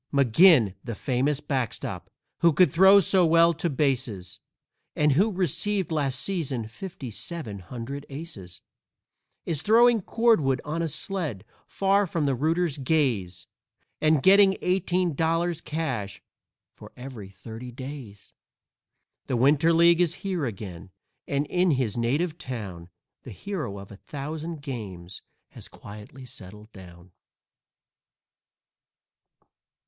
McGinn, the famous backstop, who could throw so well to bases, And who received last season fifty seven hundred aces, Is throwing cordwood on a sled, far from the rooters' gaze, And getting eighteen dollars cash for every thirty days. _The Winter League is here again, and in his native town The hero of a thousand games has quietly settled down.